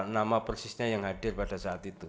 nama persisnya yang hadir pada saat itu